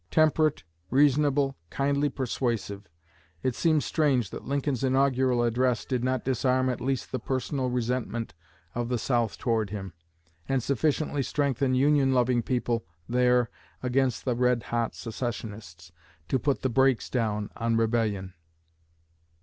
'Temperate, reasonable, kindly persuasive' it seems strange that Lincoln's inaugural address did not disarm at least the personal resentment of the South toward him, and sufficiently strengthen Union loving people there against the red hot Secessionists, to put the 'brakes' down on rebellion."